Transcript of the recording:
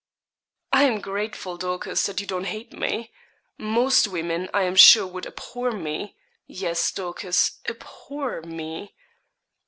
'I am grateful, Dorcas, that you don't hate me. Most women I am sure would abhor me yes, Dorcas abhor me.'